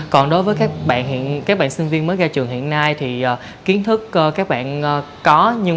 còn đối với các bạn sinh viên mới ra trường hiện nay kiến thức các bạn có